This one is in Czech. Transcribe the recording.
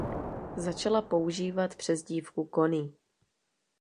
Začala používat přezdívku Connie.